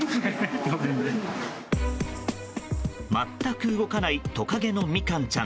全く動かないトカゲのみかんちゃん。